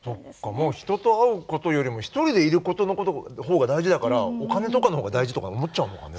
もう人と会うことよりも一人でいることの方が大事だからお金とかの方が大事とか思っちゃうのかね。